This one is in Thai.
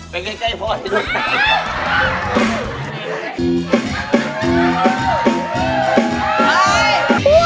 เป็นไกลพอดิ